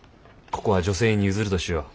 ここは女性に譲るとしよう。